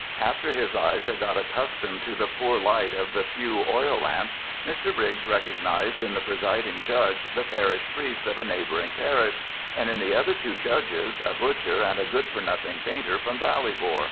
After his eyes had got accustomed to the poor light of the few oil lamps, Mr Briggs recognised in the presiding judge the parish priest of a neighbouring parish, and in the other two judges a butcher and a good for nothing painter from Ballybor.